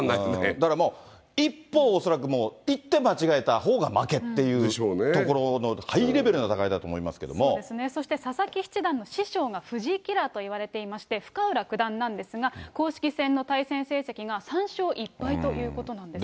だから一歩間違ったら、一手間違えたほうが負けっていうところのハイレベルな戦いだと思そうですね、そして佐々木七段の師匠が藤井キラーといわれていまして、深浦九段なんですが、公式戦の対戦成績が３勝１敗ということなんですね。